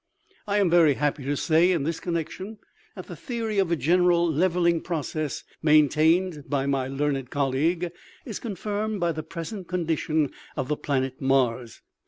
" I am very happy to say in this connection that the theory of a general levelling process, maintained by my learned colleague, is confirmed by the present condition of the planet Mars.